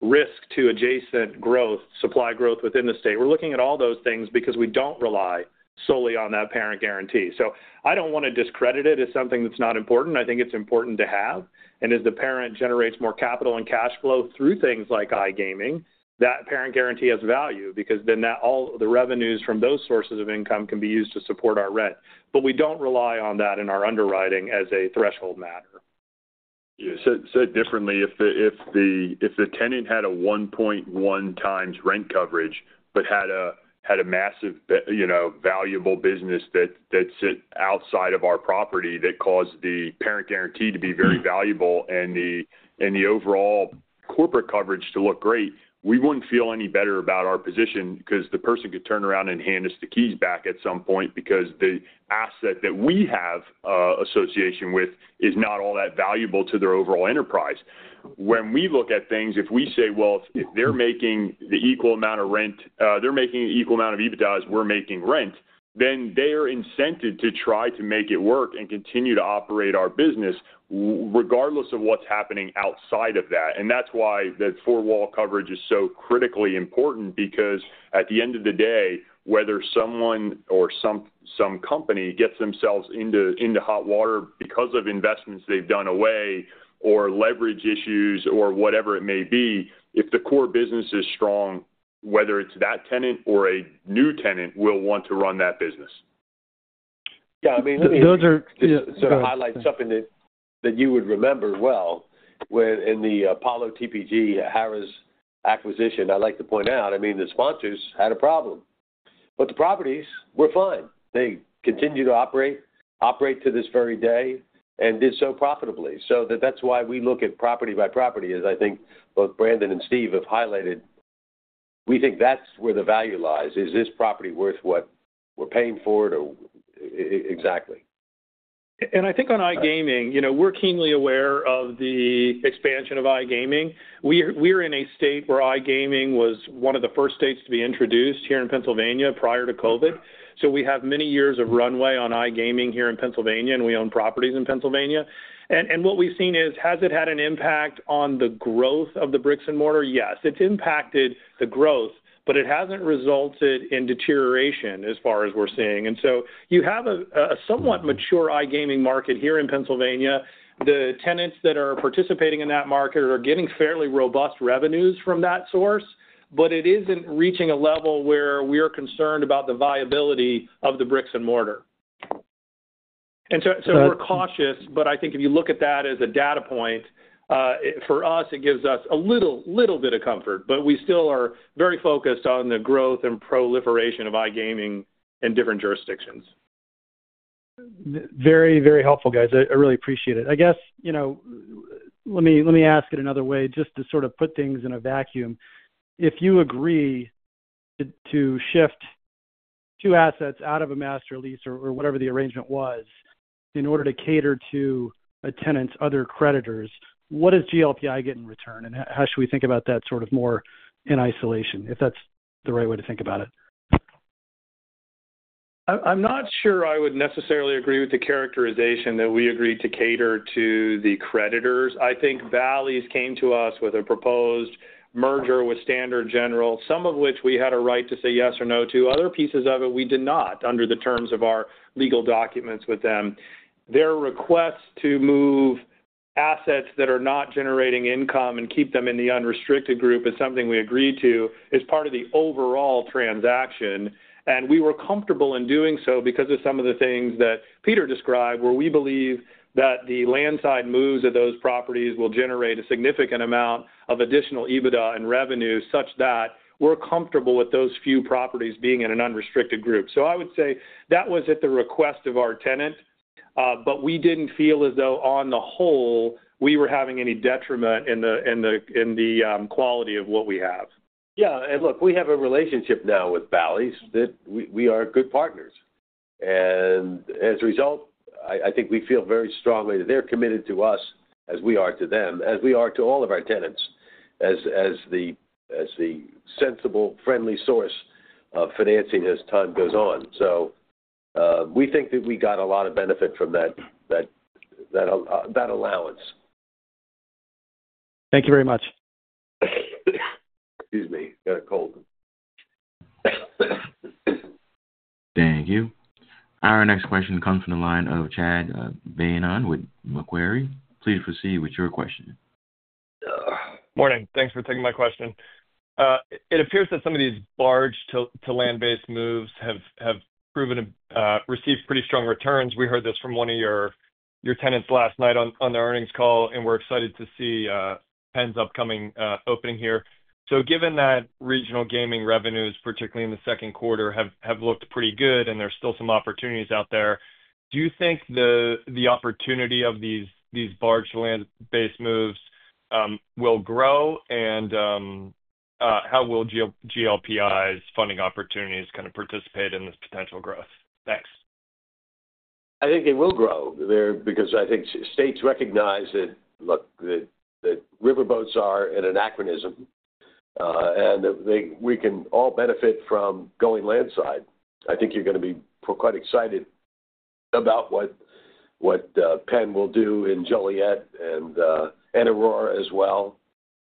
risk to adjacent growth, supply growth within the state. We're looking at all those things because we don't rely solely on that parent guarantee. I don't want to discredit it as something that's not important. I think it's important to have. As the parent generates more capital and cash flow through things like iGaming, that parent guarantee has value because then all the revenues from those sources of income can be used to support our rent. We don't rely on that in our underwriting as a threshold matter. Yeah. Said differently, if the tenant had a 1.1 times rent coverage but had a massive, valuable business that's outside of our property that caused the parent guarantee to be very valuable and the overall corporate coverage to look great, we wouldn't feel any better about our position because the person could turn around and hand us the keys back at some point because the asset that we have association with is not all that valuable to their overall enterprise. When we look at things, if we say, "Well, if they're making the equal amount of rent, they're making the equal amount of EBITDAs, we're making rent," then they are incented to try to make it work and continue to operate our business, regardless of what's happening outside of that. That's why the Four-Wall Coverage is so critically important because at the end of the day, whether someone or some company gets themselves into hot water because of investments they've done away or leverage issues or whatever it may be, if the core business is strong, whether it's that tenant or a new tenant will want to run that business. Yeah. I mean, let me just. To highlight something that you would remember well. In the Apollo TPG Harris acquisition, I like to point out, I mean, the sponsors had a problem. The properties were fine. They continued to operate to this very day and did so profitably. That is why we look at property by property, as I think both Brandon and Steve have highlighted. We think that is where the value lies. Is this property worth what we are paying for it or exactly? I think on iGaming, we're keenly aware of the expansion of iGaming. We're in a state where iGaming was one of the first states to be introduced here in Pennsylvania prior to COVID. We have many years of runway on iGaming here in Pennsylvania, and we own properties in Pennsylvania. What we've seen is, has it had an impact on the growth of the brick-and-mortar? Yes. It's impacted the growth, but it hasn't resulted in deterioration as far as we're seeing. You have a somewhat mature iGaming market here in Pennsylvania. The tenants that are participating in that market are getting fairly robust revenues from that source, but it isn't reaching a level where we are concerned about the viability of the brick-and-mortar. We are cautious, but I think if you look at that as a data point. For us, it gives us a little bit of comfort, but we still are very focused on the growth and proliferation of iGaming in different jurisdictions. Very, very helpful, guys. I really appreciate it. I guess. Let me ask it another way, just to sort of put things in a vacuum. If you agree to shift two assets out of a Master Lease or whatever the arrangement was in order to cater to a tenant's other creditors, what does GLPI get in return, and how should we think about that sort of more in isolation, if that's the right way to think about it? I'm not sure I would necessarily agree with the characterization that we agreed to cater to the creditors. I think Bally's came to us with a proposed merger with Standard General, some of which we had a right to say yes or no to. Other pieces of it, we did not under the terms of our legal documents with them. Their request to move assets that are not generating income and keep them in the Unrestricted Group is something we agreed to as part of the overall transaction. We were comfortable in doing so because of some of the things that Peter described, where we believe that the landside moves of those properties will generate a significant amount of additional EBITDA and revenue such that we're comfortable with those few properties being in an Unrestricted Group. I would say that was at the request of our tenant, but we didn't feel as though on the whole we were having any detriment in the quality of what we have. Yeah. Look, we have a relationship now with Bally's that we are good partners. As a result, I think we feel very strongly that they're committed to us as we are to them, as we are to all of our tenants, as the sensible, friendly source of financing as time goes on. We think that we got a lot of benefit from that allowance. Thank you very much. Excuse me. Got a cold. Thank you. Our next question comes from the line of Chad Beynon with Macquarie. Please proceed with your question. Morning. Thanks for taking my question. It appears that some of these barge-to-land-based moves have received pretty strong returns. We heard this from one of your tenants last night on the earnings call, and we're excited to see Penn's upcoming opening here. Given that regional gaming revenues, particularly in the second quarter, have looked pretty good and there are still some opportunities out there, do you think the opportunity of these barge-to-land-based moves will grow? How will GLPI's funding opportunities kind of participate in this potential growth? Thanks. I think they will grow because I think states recognize that, look, that river boats are an anachronism. We can all benefit from going landside. I think you're going to be quite excited about what Penn will do in Joliet and Aurora as well.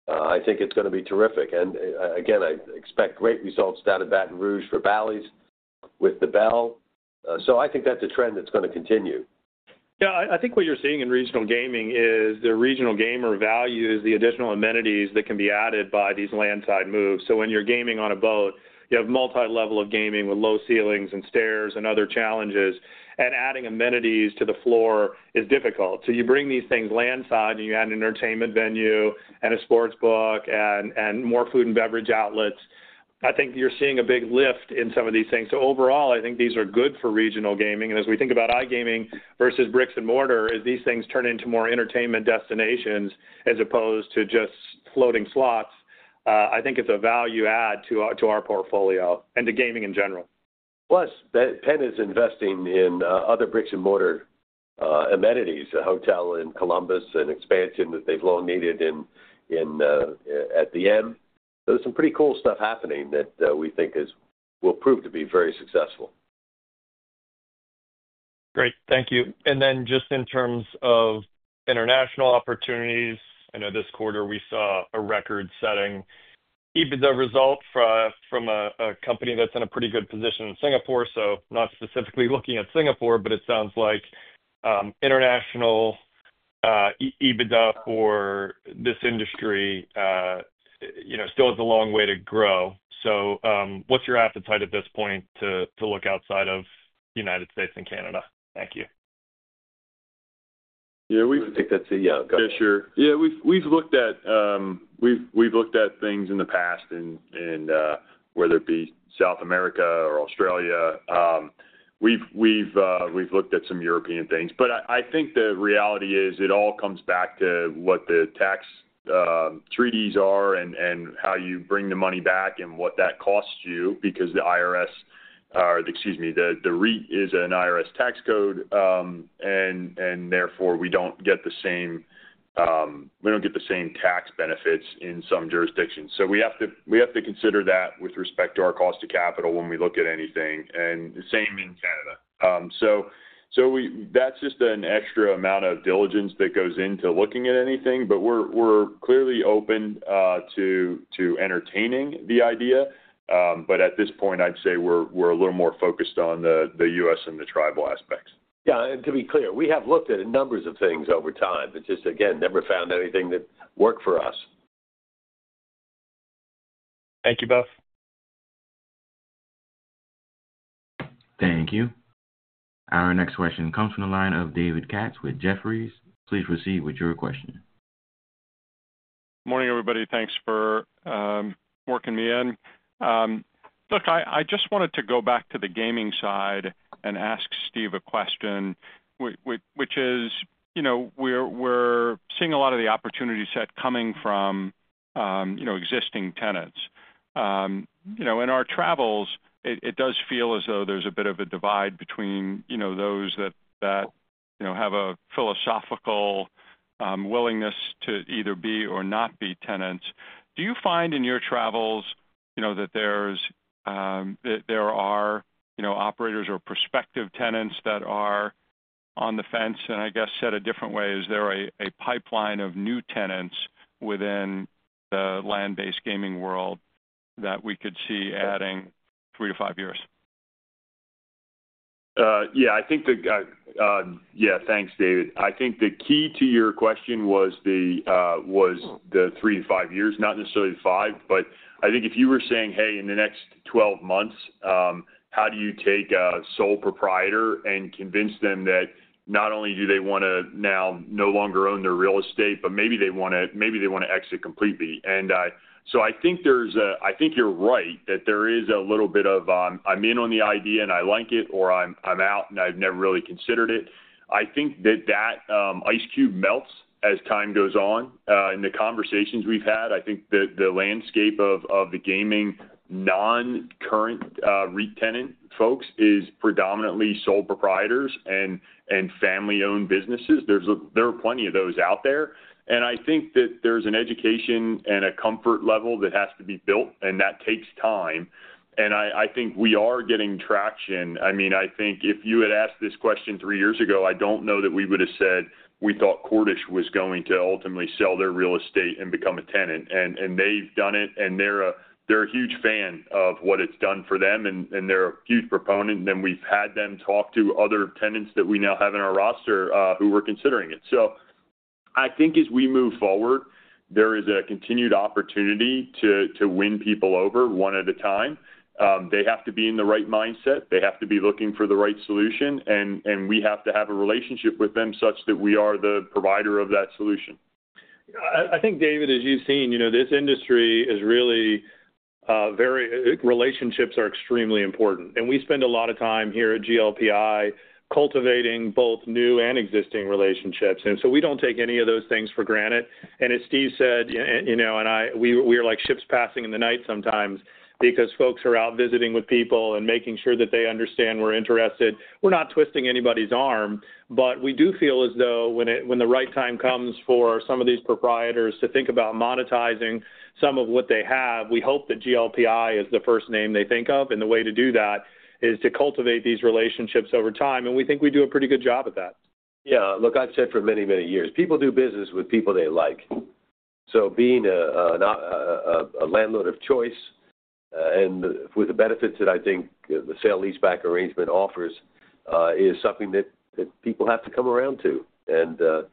I think it's going to be terrific. I expect great results down at Baton Rouge for Bally's with the Belle. I think that's a trend that's going to continue. Yeah. I think what you're seeing in regional gaming is the regional gamer values the additional amenities that can be added by these landside moves. When you're gaming on a boat, you have multi-level gaming with low ceilings and stairs and other challenges, and adding amenities to the floor is difficult. You bring these things landside and you add an entertainment venue and a sports book and more food and beverage outlets. I think you're seeing a big lift in some of these things. Overall, I think these are good for regional gaming. As we think about iGaming versus brick-and-mortar, as these things turn into more entertainment destinations as opposed to just floating slots, I think it's a value add to our portfolio and to gaming in general. Plus, Penn is investing in other Brickyard Motor amenities, a hotel in Columbus, and expansion that they've long needed at the end. There's some pretty cool stuff happening that we think will prove to be very successful. Great. Thank you. In terms of international opportunities, I know this quarter we saw a record-setting EBITDA result from a company that's in a pretty good position in Singapore. Not specifically looking at Singapore, but it sounds like international EBITDA for this industry still has a long way to grow. What's your appetite at this point to look outside of the United States and Canada? Thank you. Yeah. I think that's a, yeah. Fisher. Yeah. We've looked at things in the past, whether it be South America or Australia. We've looked at some European things. I think the reality is it all comes back to what the tax treaties are and how you bring the money back and what that costs you because the IRS, or excuse me, the REIT is an IRS tax code. Therefore, we don't get the same, we don't get the same tax benefits in some jurisdictions. We have to consider that with respect to our cost of capital when we look at anything, and the same in Canada. That's just an extra amount of diligence that goes into looking at anything, but we're clearly open to entertaining the idea. At this point, I'd say we're a little more focused on the U.S. and the tribal aspects. Yeah. To be clear, we have looked at a number of things over time, but just, again, never found anything that worked for us. Thank you both. Thank you. Our next question comes from the line of David Katz with Jefferies. Please proceed with your question. Morning, everybody. Thanks for working me in. Look, I just wanted to go back to the gaming side and ask Steve a question, which is, we're seeing a lot of the opportunity set coming from existing tenants. In our travels, it does feel as though there's a bit of a divide between those that have a philosophical willingness to either be or not be tenants. Do you find in your travels that there are operators or prospective tenants that are on the fence and, I guess, said a different way, is there a pipeline of new tenants within the land-based gaming world that we could see adding three to five years? Yeah. I think the—yeah, thanks, David. I think the key to your question was the three to five years, not necessarily five, but I think if you were saying, "Hey, in the next 12 months, how do you take a sole proprietor and convince them that not only do they want to now no longer own their real estate, but maybe they want to exit completely?" I think you're right that there is a little bit of, "I'm in on the idea and I like it," or, "I'm out and I've never really considered it." I think that that ice cube melts as time goes on. In the conversations we've had, I think the landscape of the gaming non-current REIT tenant folks is predominantly sole proprietors and family-owned businesses. There are plenty of those out there. I think that there's an education and a comfort level that has to be built, and that takes time. I think we are getting traction. I mean, I think if you had asked this question three years ago, I don't know that we would have said we thought Cordish was going to ultimately sell their real estate and become a tenant. They've done it, and they're a huge fan of what it's done for them, and they're a huge proponent. We've had them talk to other tenants that we now have in our roster who were considering it. I think as we move forward, there is a continued opportunity to win people over one at a time. They have to be in the right mindset. They have to be looking for the right solution, and we have to have a relationship with them such that we are the provider of that solution. I think, David, as you've seen, this industry is really. Relationships are extremely important. We spend a lot of time here at GLPI cultivating both new and existing relationships. We do not take any of those things for granted. As Steve said, we are like ships passing in the night sometimes because folks are out visiting with people and making sure that they understand we're interested. We're not twisting anybody's arm, but we do feel as though when the right time comes for some of these proprietors to think about monetizing some of what they have, we hope that GLPI is the first name they think of. The way to do that is to cultivate these relationships over time. We think we do a pretty good job at that. Yeah. Look, I've said for many, many years, people do business with people they like. Being a landlord of choice, and with the benefits that I think the sale-leaseback arrangement offers, is something that people have to come around to.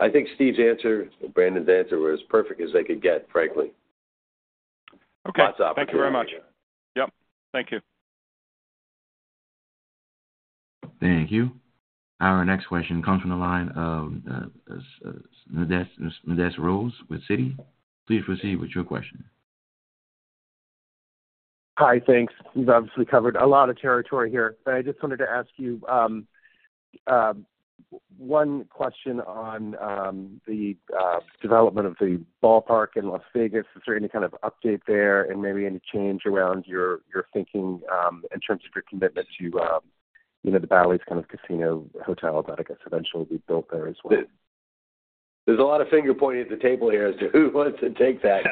I think Steve's answer, Brandon's answer was as perfect as they could get, frankly. Lots of opportunity. Okay. Thank you very much. Yep. Thank you. Thank you. Our next question comes from the line of Smedes Rose with Citi. Please proceed with your question. Hi, thanks. You've obviously covered a lot of territory here. I just wanted to ask you one question on the development of the ballpark in Las Vegas. Is there any kind of update there, and maybe any change around your thinking in terms of your commitment to the Bally's kind of casino hotel that, I guess, eventually will be built there as well? There's a lot of finger pointing at the table here as to who wants to take that.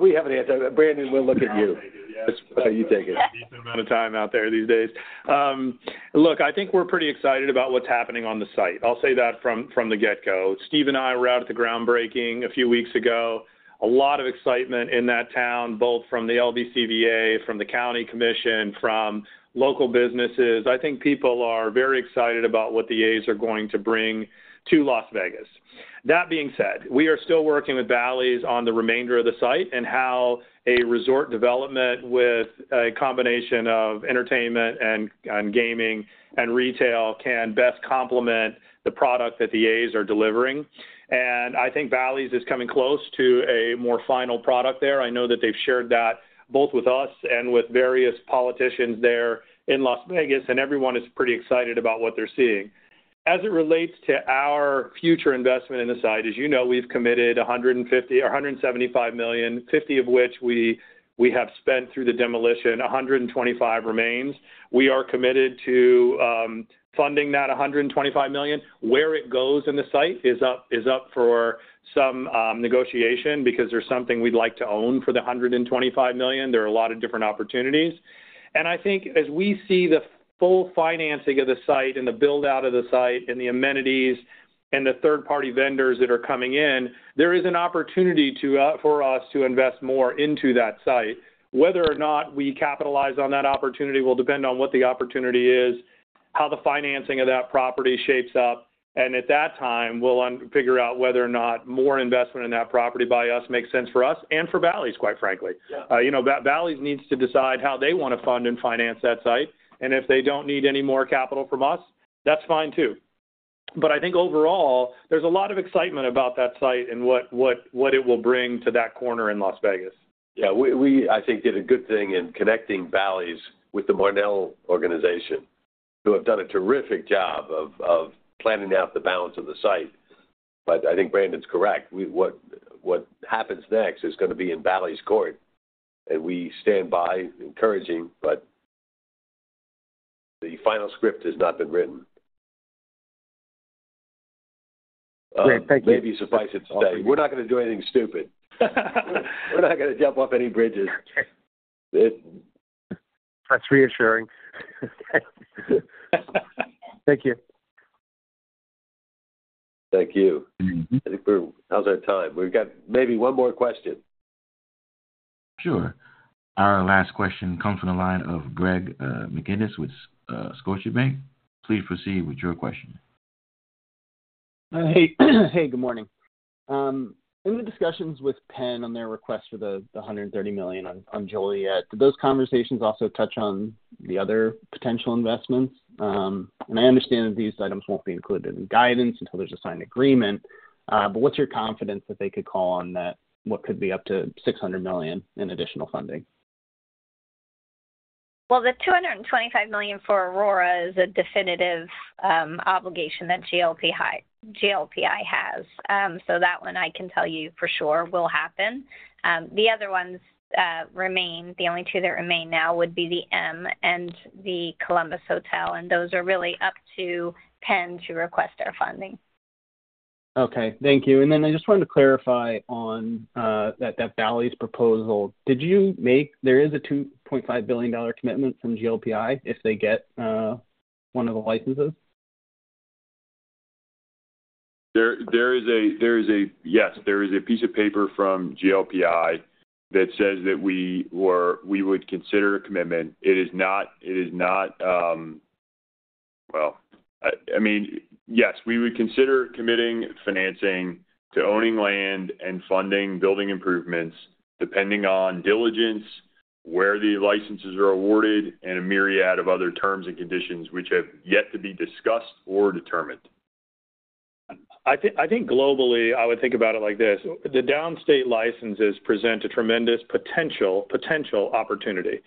We have an answer. Brandon, we'll look at you. Just how you take it. Decent amount of time out there these days. Look, I think we're pretty excited about what's happening on the site. I'll say that from the get-go. Steve and I were out at the groundbreaking a few weeks ago. A lot of excitement in that town, both from the LVCVA, from the county commission, from local businesses. I think people are very excited about what the A's are going to bring to Las Vegas. That being said, we are still working with Bally's on the remainder of the site and how a resort development with a combination of entertainment and gaming and retail can best complement the product that the A's are delivering. I think Bally's is coming close to a more final product there. I know that they've shared that both with us and with various politicians there in Las Vegas, and everyone is pretty excited about what they're seeing. As it relates to our future investment in the site, as you know, we've committed $175 million, $50 million of which we have spent through the demolition, $125 million remains. We are committed to funding that $125 million. Where it goes in the site is up for some negotiation because there's something we'd like to own for the $125 million. There are a lot of different opportunities. I think as we see the full financing of the site and the build-out of the site and the amenities and the third-party vendors that are coming in, there is an opportunity for us to invest more into that site. Whether or not we capitalize on that opportunity will depend on what the opportunity is, how the financing of that property shapes up, and at that time, we'll figure out whether or not more investment in that property by us makes sense for us and for Bally's, quite frankly. Bally's needs to decide how they want to fund and finance that site. If they do not need any more capital from us, that's fine too. I think overall, there's a lot of excitement about that site and what it will bring to that corner in Las Vegas. Yeah. We, I think, did a good thing in connecting Bally's with the Marnell organization, who have done a terrific job of planning out the balance of the site. I think Brandon's correct. What happens next is going to be in Bally's court. We stand by encouraging, but the final script has not been written. Great. Thank you. Maybe suffice it to say, we're not going to do anything stupid. We're not going to jump off any bridges. That's reassuring. Thank you. Thank you. I think we're—how's our time? We've got maybe one more question. Sure. Our last question comes from the line of Greg McGinniss with Scotiabank. Please proceed with your question. Hey. Good morning. In the discussions with Penn on their request for the $130 million on Joliet, did those conversations also touch on the other potential investments? I understand that these items will not be included in guidance until there is a signed agreement. What is your confidence that they could call on what could be up to $600 million in additional funding? The $225 million for Aurora is a definitive obligation that GLPI has. That one, I can tell you for sure will happen. The other ones remain—the only two that remain now would be the M and the Columbus Hotel. Those are really up to Penn to request our funding. Okay. Thank you. I just wanted to clarify on that Bally's proposal, did you make—there is a $2.5 billion commitment from GLPI if they get one of the licenses? There is a—yes, there is a piece of paper from GLPI that says that we would consider a commitment. It is not— I mean, yes, we would consider committing financing to owning land and funding building improvements depending on diligence, where the licenses are awarded, and a myriad of other terms and conditions which have yet to be discussed or determined. I think globally, I would think about it like this. The downstate licenses present a tremendous potential opportunity.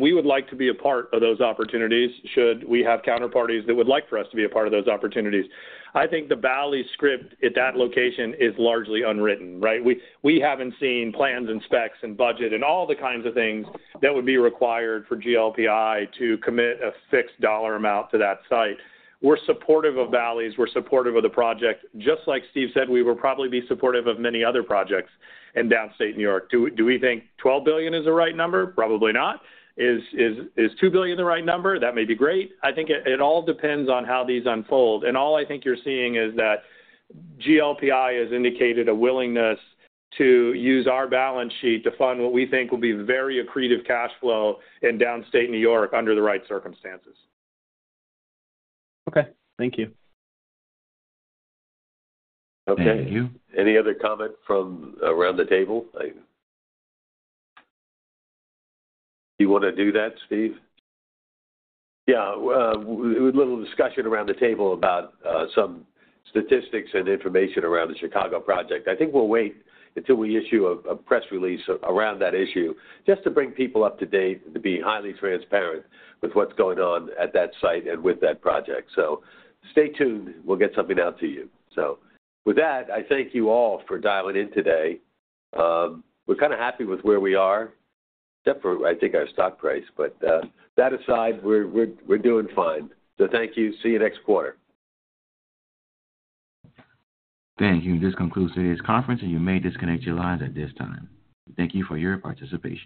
We would like to be a part of those opportunities should we have counterparties that would like for us to be a part of those opportunities. I think the Bally's script at that location is largely unwritten, right? We have not seen plans and specs and budget and all the kinds of things that would be required for GLPI to commit a fixed dollar amount to that site. We are supportive of Bally's. We are supportive of the project. Just like Steve said, we will probably be supportive of many other projects in downstate New York. Do we think $12 billion is the right number? Probably not. Is $2 billion the right number? That may be great. I think it all depends on how these unfold. All I think you are seeing is that GLPI has indicated a willingness to use our balance sheet to fund what we think will be very accretive cash flow in downstate New York under the right circumstances. Okay. Thank you. Thank you. Any other comment from around the table? Do you want to do that, Steve? Yeah. There was a little discussion around the table about some statistics and information around the Chicago project. I think we'll wait until we issue a press release around that issue just to bring people up to date and to be highly transparent with what's going on at that site and with that project. Stay tuned. We'll get something out to you. With that, I thank you all for dialing in today. We're kind of happy with where we are, except for, I think, our stock price. That aside, we're doing fine. Thank you. See you next quarter. Thank you. This concludes today's conference, and you may disconnect your lines at this time. Thank you for your participation.